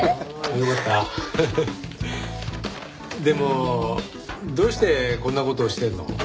でもどうしてこんな事をしてるの？